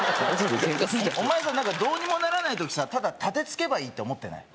お前さどうにもならない時ただたてつけばいいって思ってない？